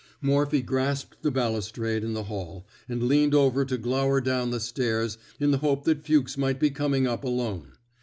Morphy grasped the balustrade in the hall and leaned over to glower down the stairs in the hope that Fuchs might be com ing up alone.